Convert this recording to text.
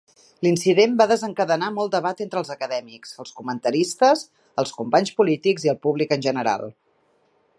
L'incident va desencadenar molt debat entre els acadèmics, els comentaristes, els companys polítics i el públic en general.